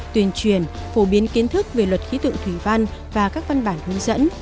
tuyên truyền phổ biến kiến thức về luật khí tượng thủy văn và các văn bản hướng dẫn